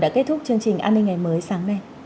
đã kết thúc chương trình an ninh ngày mới sáng nay